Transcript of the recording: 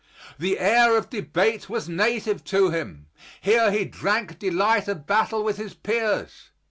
The air of debate was native to him; here he drank delight of battle with his peers.